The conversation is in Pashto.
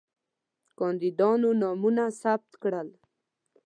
کاندیدانو نومونه ثبت کړل.